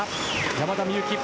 山田美幸。